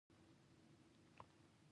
علم د ټولنیز بدلون بنسټ دی.